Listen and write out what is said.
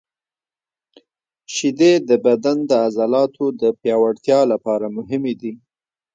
شیدې د بدن د عضلاتو د پیاوړتیا لپاره مهمې دي.